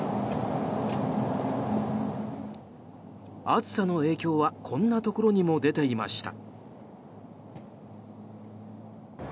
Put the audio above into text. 暑さの影響はこんなところにも出ていました。